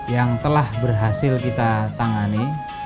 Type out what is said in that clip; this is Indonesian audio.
yang telah berhasil kita tangani